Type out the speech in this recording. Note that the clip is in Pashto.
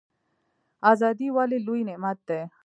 ازادي ولې لوی نعمت دی؟